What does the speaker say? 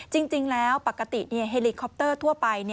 จริงแล้วปกติเฮลิคอปเตอร์ทั่วไป